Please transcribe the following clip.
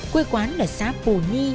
quê quán là xã pù nhi